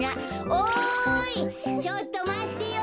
おいちょっとまってよ。